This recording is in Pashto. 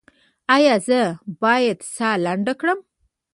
ایا زه باید ساه لنډه کړم؟